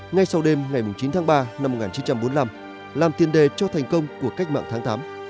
ngay sau đêm ngày chín tháng ba năm một nghìn chín trăm bốn mươi năm làm tiền đề cho thành công của cách mạng tháng tám